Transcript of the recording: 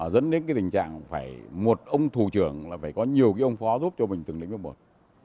dẫn đến cái tình trạng phải một ông thủ trưởng là phải có nhiều cái ông phó giúp cho mình từng lĩnh vực một